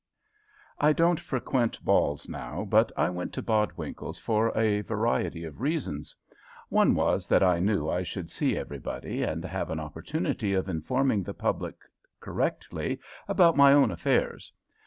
I don't frequent balls now, but I went to Bodwinkle's for a variety of reasons. One was, that I knew I should see everybody, and have an opportunity of informing the public correctly about my own affairs.